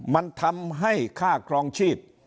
มันทำให้ค่าครองชีพ